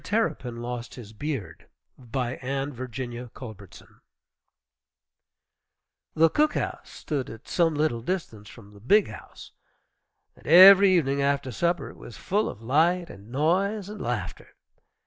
TERRAPIN LOST HIS BEARD BY ANNE VIRGINIA CULBERTSON The "cook house" stood at some little distance from the "big house," and every evening after supper it was full of light and noise and laughter.